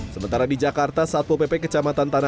sementara di jakarta satmo pp kecamatan tengah